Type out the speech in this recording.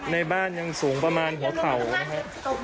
ในบ้านยังสูงประมาณหัวเข่านะครับ